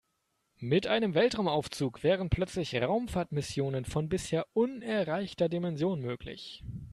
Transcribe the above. Mit einem Weltraumaufzug wären plötzlich Raumfahrtmissionen von bisher unerreichter Dimension möglich.